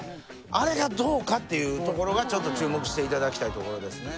あれがどうかっていうところがちょっと注目していただきたいところですね